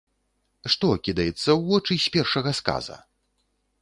Што кідаецца ў вочы з першага сказа?